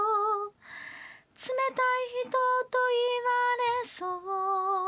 「冷たい人と言われそう」